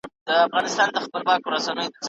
يو بل ته پيغور ورکول د کرکي سبب کيږي.